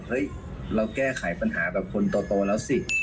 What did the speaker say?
เฮ้ยเราแก้ไขปัญหาแบบคนโตแล้วสิ